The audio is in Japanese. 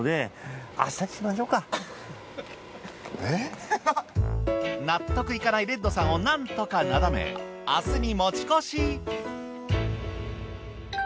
えっ？納得いかないレッドさんをなんとかなだめ明日に持ち越し。